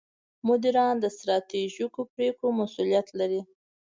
مدیران د ستراتیژیکو پرېکړو مسوولیت لري.